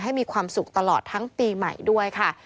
มีความสุขตลอดทั้งปีใหม่ด้วยค่ะ